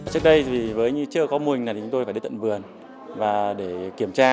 trước đây với chưa có mùi hình này thì chúng tôi phải đến tận vườn để kiểm tra